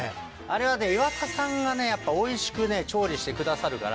あれはね岩田さんがねやっぱおいしく調理してくださるから。